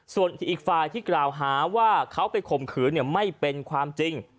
ส่วนอีกฝ่ายที่กล่าวหาว่าเขาไปข่มขืนไม่เป็นความจริง